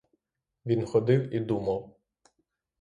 Він ходив і думав.